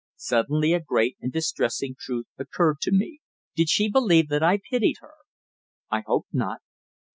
Suddenly a great and distressing truth occurred to me. Did she believe that I pitied her? I hoped not.